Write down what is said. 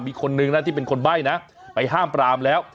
มีคนนึงนะที่เป็นคนใบ้นะไปห้ามปรามแล้ว